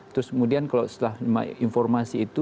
terus kemudian kalau setelah informasi itu